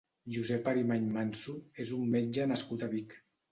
Josep Arimany Manso és un metge nascut a Vic.